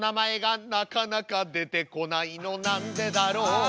「なかなか出てこないのなんでだろう」